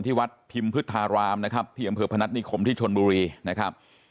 ที่วัดพิมพฤทธารามนะครับที่อำเภอพนัฐนิคมที่ชนบุรีนะครับ